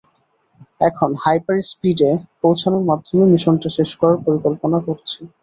এখন, হাইপার-স্পিডে পৌঁছানোর মাধ্যমে মিশনটা শেষ করার পরিকল্পনা করছি।